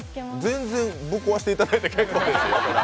全然ぶっ壊していただいて結構ですよ。